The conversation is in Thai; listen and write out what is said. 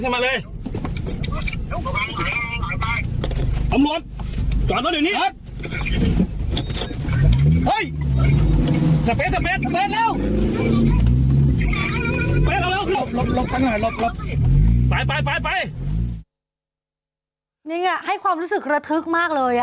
เพราะเราอาจจะไม่ได้รู้สึกมากเลยแล้วเราอาจจะไม่ได้รู้สึกมากเลย